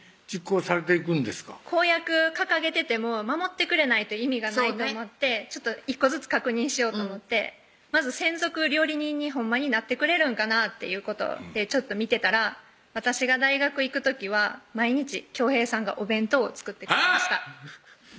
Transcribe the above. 公約掲げてても守ってくれないと意味がないと思って１個ずつ確認しようと思ってまず専属料理人にほんまになってくれるんかなっていうことちょっと見てたら私が大学行く時は毎日恭平さんがお弁当を作ってえぇっ！